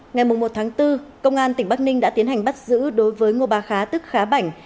ngày một tháng bốn công an tỉnh bắc ninh đã tiến hành bắt giữ đối với ngô bà khá tức khá bảnh